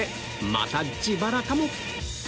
また自腹かも？